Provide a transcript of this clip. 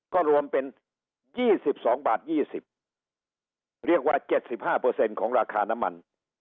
ก็รวมเป็นยี่สิบสองบาทยี่สิบเรียกว่าเจ็ดสิบห้าเปอร์เซ็นต์ของราคาน้ำมัน